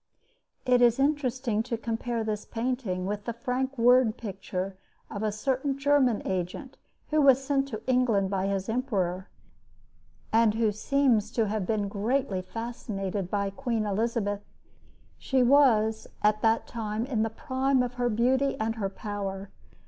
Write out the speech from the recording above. It is interesting to compare this painting with the frank word picture of a certain German agent who was sent to England by his emperor, and who seems to have been greatly fascinated by Queen Elizabeth. She was at that time in the prime of her beauty and her power.